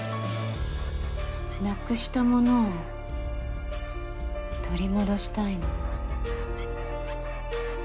失くした物を取り戻したいの。